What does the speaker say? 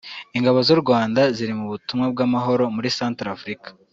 Ingabo z’u Rwanda ziri mu butumwa bw’amahoro muri Centrafrique